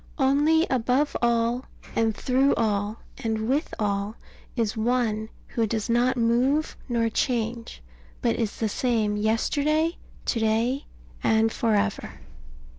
Only above all, and through all, and with all, is One who does not move nor change, but is the same yesterday, to day, and for ever.